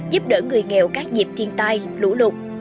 giúp đỡ người nghèo các dịp thiên tai lũ lụt